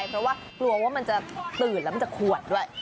เพราะว่ากลัวว่ามันจะตื่นแล้วมันจะขวดด้วย